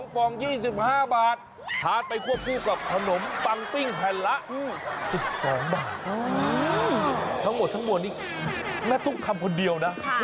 ฟอง๒๕บาททานไปควบคู่กับขนมปังปิ้งแผ่นละ๑๒บาททั้งหมดทั้งมวลนี้แม่ตุ๊กทำคนเดียวนะ